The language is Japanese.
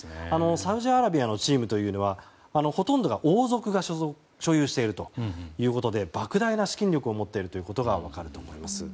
サウジアラビアのチームというのはほとんどが王族が所有しているということで莫大な資金力を持っていることが分かると思います。